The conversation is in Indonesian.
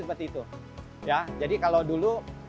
seperti itu ya jadi kalau dulu